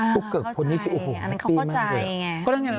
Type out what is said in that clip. ฝุ่คเกิกพ้นนี้โอ้โฮ